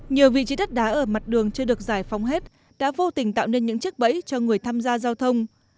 nhiều vị trí đất đá ở mặt đường chưa được giải phóng hết đã vô tình tạo nên những chiếc bẫy cho người tham gia giao thông